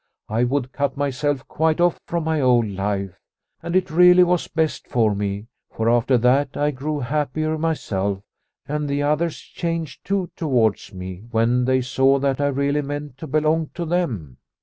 I would cut myself quite off from my old life. And it really was best for me, for after that I grew happier myself and the others changed too towards me when they saw that I really meant to belong to them.